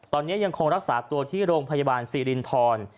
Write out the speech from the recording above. ตอนนี้ยังคงรักษาตัวที่โรงพยาบาลสิรินทร